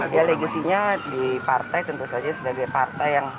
ya legasinya di partai tentu saja sebagai partai yang